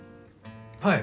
はい。